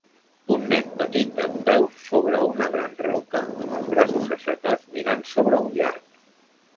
Un nen petit dempeus sobre una gran roca amb els braços aixecats mirant sobre un llac.